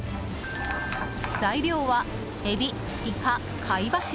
材料はエビ、イカ、貝柱。